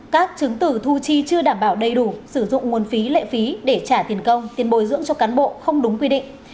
các chứng tử thu chi chưa đảm bảo đầy đủ sử dụng nguồn phí lệ phí để trả tiền công tiền bồi dưỡng cho cán bộ không đúng quy định